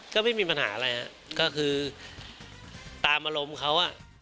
ก็ไม่มีปัญหาอะไรฮะก็คือตามอารมณ์เขาอ่ะ